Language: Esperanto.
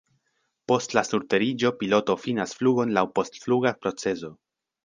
Post la surteriĝo, piloto finas flugon laŭ post-fluga procezo.